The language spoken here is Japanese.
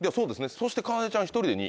そしてかなでちゃん１人で２。